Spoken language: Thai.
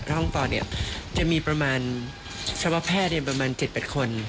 ห้องปอจะมีประมาณชาวว่าแพทย์เองประมาณ๗๘คน